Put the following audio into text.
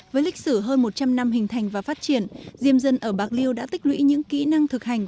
với lịch sử hơn một trăm linh năm hình thành và phát triển diêm dân ở bạc liêu đã tích lũy những kỹ năng thực hành